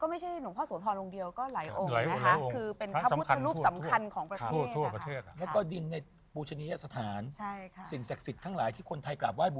ก็ไม่ใช่หลวงพ่อสวทรอ่งเดียวก็หลายองค์นะครับ